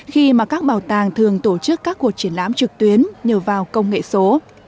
khi mà các bảo tàng thường tổ chức các cuộc triển lãm trực tuyến nhờ vào công nghệ số